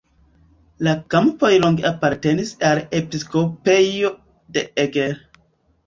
La kampoj longe apartenis al episkopejo de Eger.